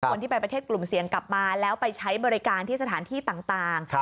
คนที่ไปประเทศกลุ่มเสี่ยงกลับมาแล้วไปใช้บริการที่สถานที่ต่าง